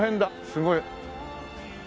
すごい。